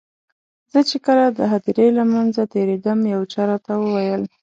زه چې کله د هدیرې له منځه تېرېدم یو چا راته وویل.